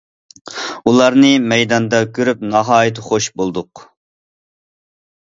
ئۇلارنى مەيداندا كۆرۈپ، ناھايىتى خۇش بولدۇق.